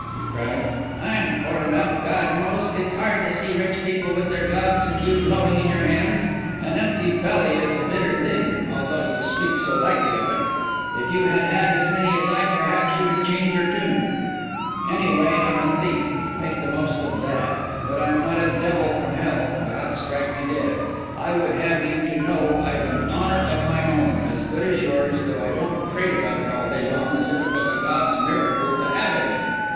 he cried. "I'm poor enough, God knows! It's hard to see rich people with their gloves, and you blowing in your hands. An empty belly is a bitter thing, although you speak so lightly of it. If you had had as many as I, perhaps you would change your tune. Any way I'm a thief—make the most of that—but I'm not a devil from hell, God strike me dead. I would have you to know I've an honour of my own, as good as yours, though I don't prate about it all day long, as if it was a God's miracle to have any.